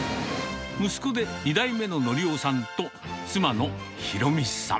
息子で２代目ののりおさんと、妻の裕美さん。